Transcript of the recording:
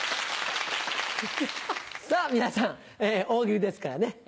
さぁ皆さん「大喜利」ですからね。